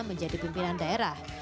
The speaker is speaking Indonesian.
menjadi pimpinan daerah